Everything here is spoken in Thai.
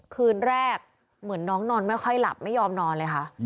คืนแรกเหมือนน้องนอนไม่ค่อยหลับไม่ยอมนอนเลยค่ะ